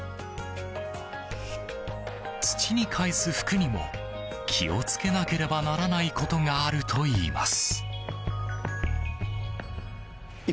土にかえす服にも気を付けなければならないことがあるといいます。